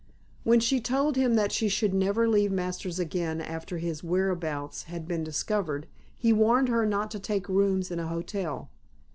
When she told him that she should never leave Masters again after his whereabouts had been discovered, he warned her not to take rooms in a hotel.